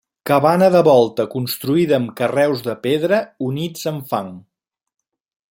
Cabana de volta construïda amb carreus de pedra units amb fang.